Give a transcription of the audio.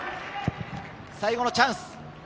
最後のチャンス。